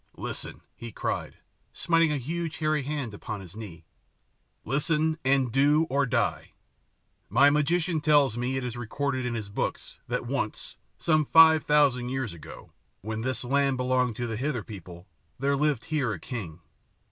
"Listen," he cried, smiting a huge hairy hand upon his knee, "listen, and do or die. My magician tells me it is recorded in his books that once, some five thousand years ago, when this land belonged to the Hither people, there lived here a king.